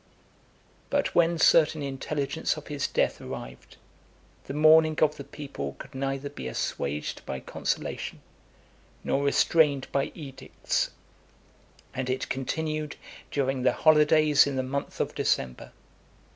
But when certain intelligence of his death arrived, the mourning of the people could neither be assuaged by consolation, nor restrained by edicts, and it continued during the holidays in the month of December.